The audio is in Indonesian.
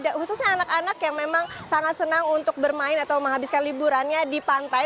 khususnya anak anak yang memang sangat senang untuk bermain atau menghabiskan liburannya di pantai